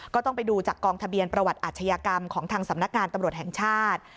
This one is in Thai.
ก็ต้องไปดูจากกองทะเบียนประวัติอาชญากรรมของทางสำนักงานตำรวจแห่งชาติ